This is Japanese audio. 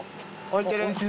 開いてる！